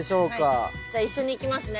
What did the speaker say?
じゃあ一緒にいきますね。